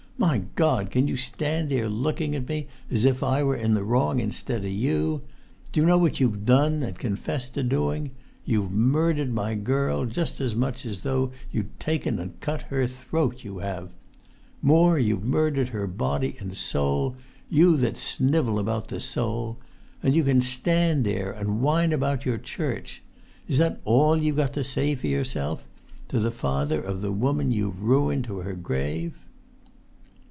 My God, can you stand there looking at me as if I were in the wrong instead o' you? Do you know what you've done, and confessed to doing? You've murdered my girl, just as much as though you'd taken and cut her throat, you have: more, you've murdered her body and soul, you that snivel about the soul! And you can stand there and whine about your Church! Is that all you've got to say for yourself—to the father of the woman you've ruined to her grave?"